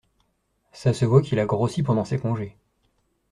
ça se voit qu'il a grossi pendant ses congés.